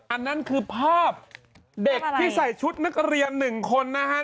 อันนั้นคือภาพเด็กที่ใส่ชุดนักเรียน๑คนนะฮะ